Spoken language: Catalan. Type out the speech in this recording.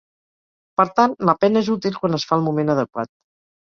Per tant, la pena és útil quan es fa el moment adequat.